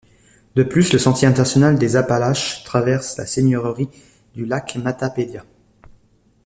De plus, le Sentier international des Appalaches traverse la seigneurie du Lac-Matapédia.